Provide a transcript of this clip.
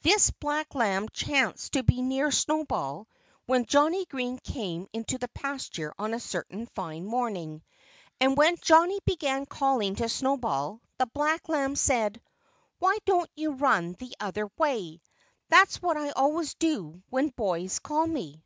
This black lamb chanced to be near Snowball when Johnnie Green came into the pasture on a certain fine morning. And when Johnnie began calling to Snowball the black lamb said, "Why don't you run the other way? That's what I always do when boys call me."